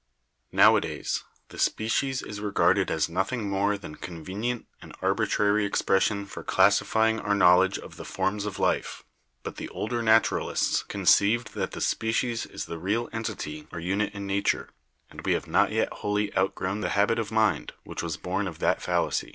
Nowa days, the species is regarded as nothing more than con venient and arbitrary expression for classifying our knowledge of the forms of life, but the older naturalists conceived that the species is the real entity or unit in nature, and we have not yet wholly outgrown the habit of mind which was born of that fallacy.